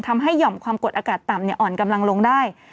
หย่อมความกดอากาศต่ำอ่อนกำลังลงได้